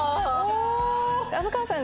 虻川さん